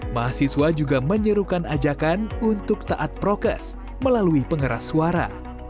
mahasiswa juga menyerukan ajakan untuk taat prokes melalui pengeras suara